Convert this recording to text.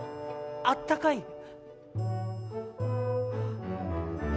あったかい？